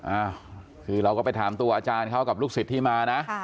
อ้าวคือเราก็ไปถามตัวอาจารย์เขากับลูกศิษย์ที่มานะ